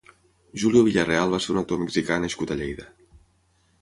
Julio Villarreal va ser un actor mexicà nascut a Lleida.